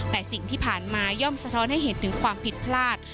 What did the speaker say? แต่สิ่งที่ผ่านมาย่อมสะท้อนให้เห็นถึงความผิดพลาด